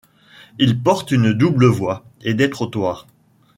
Il porte une double voie et des trottoirs.